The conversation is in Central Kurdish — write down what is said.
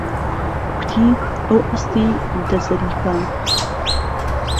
کوتی ئەو ئەستی دە زەریفە